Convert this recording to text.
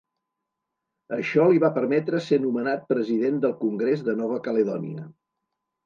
Això li va permetre ser nomenat president del Congrés de Nova Caledònia.